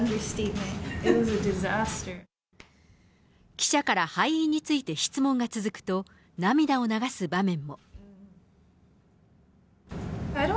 記者から敗因について質問が続くと、涙を流す場面も。